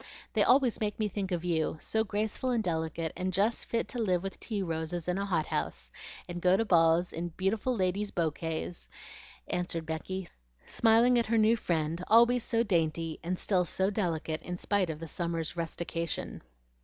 They always make me think of you, so graceful and delicate, and just fit to live with tea roses in a hot house, and go to balls in beautiful ladies' bokays," answered Becky, smiling at her new friend, always so dainty, and still so delicate in spite of the summer's rustication.